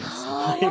はい。